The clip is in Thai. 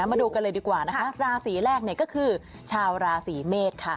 มาดูกันเลยดีกว่านะคะราศีแรกเนี่ยก็คือชาวราศีเมษค่ะ